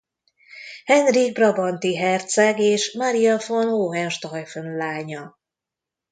Henrik brabanti herceg és Maria von Hohenstaufen lánya.